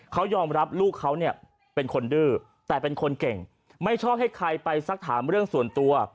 เขายอมรับลูกเขาเนี่ยเป็นคนดื้อแต่เป็นคนเก่งไม่ชอบให้ใครไปสักถามเรื่องส่วนตัว